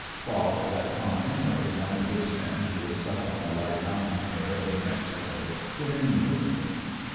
"Bob" let Tom Emory, one of his men, who was stuck on the light mountain air of New Mexico remain with me.